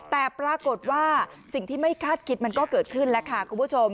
แต่ปรากฏว่าสิ่งที่ไม่คาดคิดมันก็เกิดขึ้นแล้วค่ะคุณผู้ชม